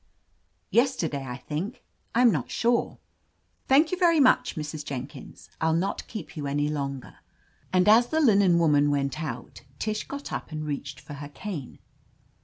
"Yesterday, I thinlc. I'm not sure/' 'Thank you very much, Mrs. Jenkins. Til not keep you any longer." And as the linen woman went out, Tish got up and reached for her cane.